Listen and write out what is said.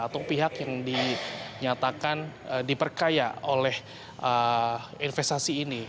atau pihak yang dinyatakan diperkaya oleh investasi ini